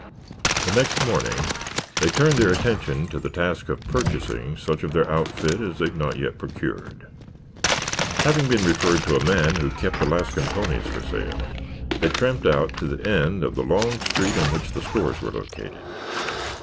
The next morning they turned their attention to the task of purchasing such of their outfit as they had not yet procured. Having been referred to a man who kept Alaskan ponies for sale, they tramped out to the end of the long street on which the stores were located.